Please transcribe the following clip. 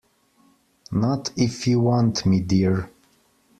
Not if you want me, dear.